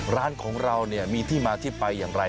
ร้านของเราเนี่ยมีที่มาที่ไปอย่างไร